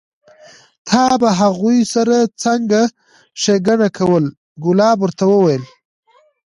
تا به هغو سره څنګه ښېګڼه کوله؟ کلاب ورته وویل: